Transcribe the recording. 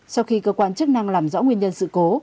sau khi cơ quan chức năng làm rõ nguyên nhân sự cố